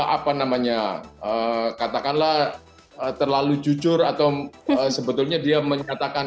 apa namanya katakanlah terlalu jujur atau sebetulnya dia menyatakan